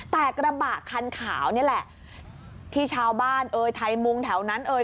แต่กระบะคันขาวนี่แหละที่ชาวบ้านเอ่ยไทยมุงแถวนั้นเอ่ย